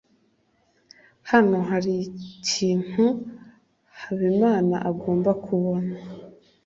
hano hari ikintu habimana agomba kubona